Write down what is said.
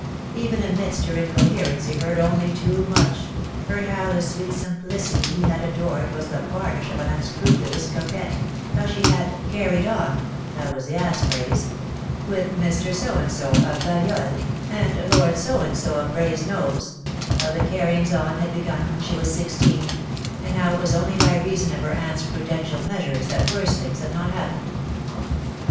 Even amidst her incoherence he heard only too much, heard how the sweet simplicity he had adored was the varnish of an unscrupulous coquette, how she had "carried on" — that was the aunt's phrase — with 6* 84 DEAD LOVE HAS CHAINS. Mr. So and So of Balliol, and Lord So and So of Brasenose, how the carryings on had begun when she was sixteen, and how it was only by reason of her aunt's prudential measures that worse things had not happened.